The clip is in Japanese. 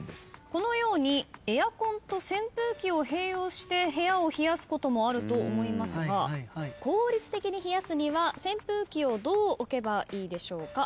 このようにエアコンと扇風機を併用して部屋を冷やすこともあると思いますが効率的に冷やすには扇風機をどう置けばいいでしょうか？